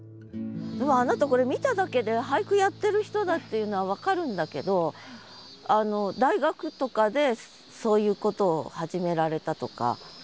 あなたこれ見ただけで俳句やってる人だっていうのは分かるんだけど大学とかでそういうことを始められたとか？